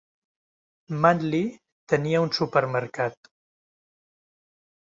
Manly tenia un supermercat.